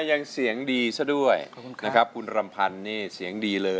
ยังเสียงดีซะด้วย